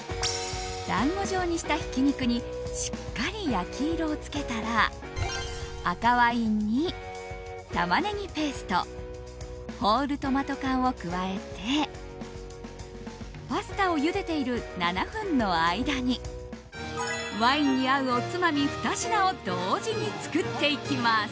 団子状にした、ひき肉にしっかり焼き色をつけたら赤ワインにタマネギペーストホールトマト缶を加えてパスタをゆでている７分の間にワインに合うおつまみ２品を同時に作っていきます。